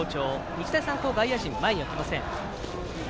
日大三高、外野陣前には来ません。